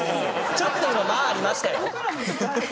ちょっと今間ありましたよ。